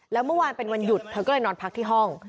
แล้วเมื่อวานเป็นวันหยุดเธอก็เลยนอนพักที่ห้อง